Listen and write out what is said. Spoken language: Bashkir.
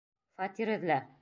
Фатир эҙлә!